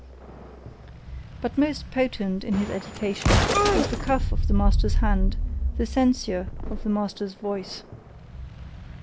But most potent in his education was the cuff of the master's hand, the censure of the master's voice.